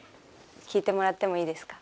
聞いてもらってもいいですか？